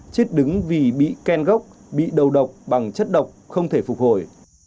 chết đứng vì bị ken gốc bị đầu độc bằng chất độc không thể phục hồi